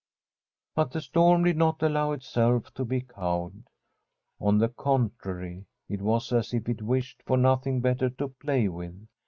But the storm did not allow itself to be cowed ; on the contrary, it was as if it wished for nothing better to play with.